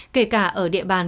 kể cả ở địa bàn